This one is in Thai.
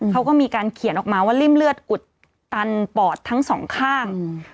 เขาก็มีการเขียนออกมาว่าริ่มเลือดอุดตันปอดทั้งสองข้าง